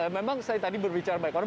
memang saya tadi berbicara baik orang